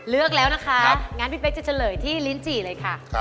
เลือกแล้วนะคะงั้นพี่เป๊กจะเฉลยที่ลิ้นจี่เลยค่ะ